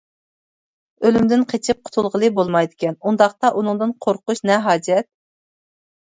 ئۆلۈمدىن قېچىپ قۇتۇلغىلى بولمايدىكەن، ئۇنداقتا ئۇنىڭدىن قورقۇش نە ھاجەت!